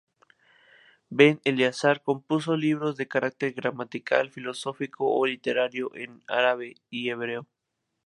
Ben Eleazar compuso libros de carácter gramatical, filosófico o literario en árabe y hebreo.